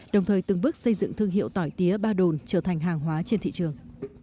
đồng thời từng bước xây dựng thương hiệu tỏi tía ba đồn trở thành hàng hóa trên thị trường